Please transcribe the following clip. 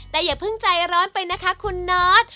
แต่อย่าเพิ่งใจร้อนไปนะคะคุณนอท